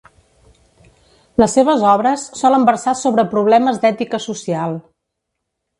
Les seves obres solen versar sobre problemes d'ètica social.